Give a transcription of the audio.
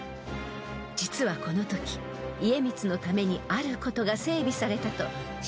［実はこのとき家光のためにあることが整備されたと知っていましたか？］